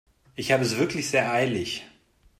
Ich habe es wirklich sehr eilig.